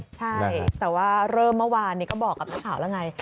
ใช่แต่ว่าเริ่มเมื่อวานนี้ก็บอกกับนักข่าวแล้วไง